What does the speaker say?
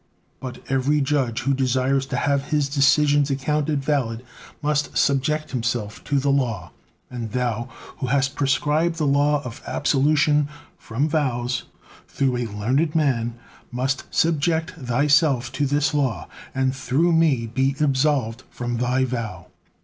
But every judge who desires to have his decisions accounted valid, must subject himself to the law, and Thou who has prescribed the law of absolution from vows through a learned man, must subject Thyself to this law, and through me be absolved from Thy vow."